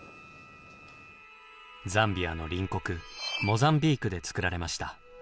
ザンビアの隣国モザンビークで作られました。